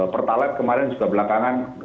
pertalite kemarin juga belakangan